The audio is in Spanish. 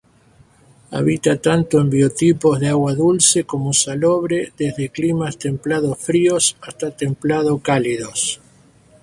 Habita tanto en biotopos de agua dulce como salobre desde climas templado-fríos hasta templado-cálidos.